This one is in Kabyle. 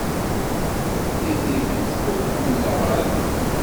Deg tidet, ur tḥemmelaɣ-ara.